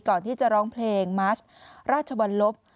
ก่อนที่จะร้องเพลงมัชราชวรรลบ